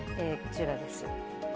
こちらです。